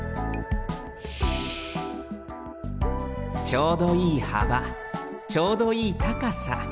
ちょうどいいはばちょうどいいたかさ。